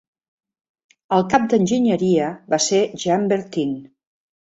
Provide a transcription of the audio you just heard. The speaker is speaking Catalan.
El cap d'enginyeria va ser Jean Bertin.